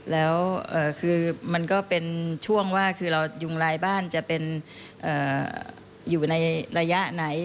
แล้วคือมันก็เป็นช่วงว่าคือเรายุงลายบ้านจะเป็นอยู่ในระยะไหน